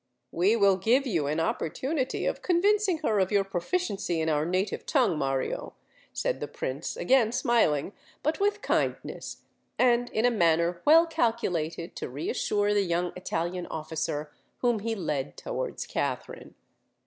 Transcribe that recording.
"We will give you an opportunity of convincing her of your proficiency in our native tongue, Mario," said the Prince, again smiling—but with kindness, and in a manner well calculated to reassure the young Italian officer, whom he led towards Katherine.